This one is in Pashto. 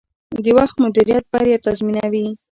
د وخت مدیریت بریا تضمینوي.